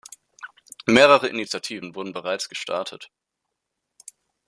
Mehrere Initiativen wurden bereits gestartet.